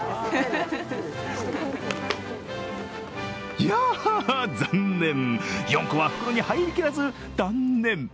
いや残念、４個は袋に入りきらず断念。